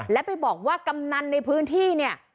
และไปบอกว่ากำนันในพื้นที่เนี่ย